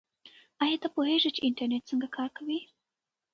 آیا ته پوهېږې چې انټرنیټ څنګه کار کوي؟